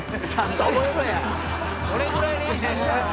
どれぐらい練習したん？